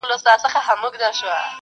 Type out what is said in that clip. بیا به هم لمبه د شمعي له سر خېژي,